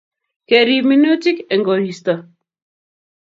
Kerip minutik eng koristo